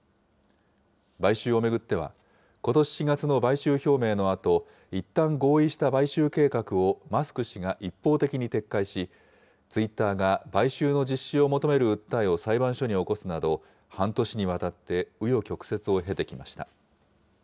買収を巡っては、ことし４月の買収表明のあと、いったん合意した買収計画をマスク氏が一方的に撤回し、ツイッターが買収の実施を求める訴えを裁判所に起こすなど、半年にわたってう余曲折を経てきました。